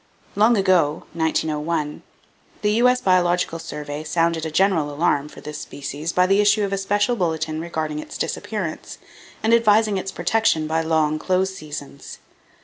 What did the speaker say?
Long ago (1901) the U.S. Biological Survey sounded a general alarm for this species by the issue of a special bulletin regarding its disappearance, and advising its protection by long close seasons.